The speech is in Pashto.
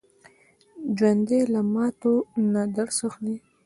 ژوندي له ماتو نه درس اخلي